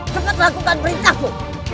cepat lakukan beritamu